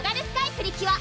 プリキュア